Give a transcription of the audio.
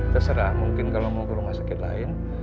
terserah mungkin kalau mau ke rumah sakit lain